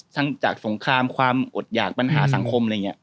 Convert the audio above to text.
จากสงครามความอดหยากปัญหาสังคมอะไรอย่างนี้